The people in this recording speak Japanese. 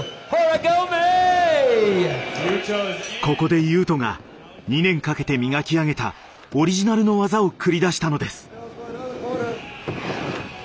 ここで雄斗が２年かけて磨き上げたオリジナルの技を繰り出したのです。